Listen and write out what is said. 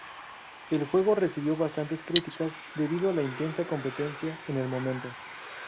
El juego recibió bastantes críticas, debido a la intensa competencia en el momento.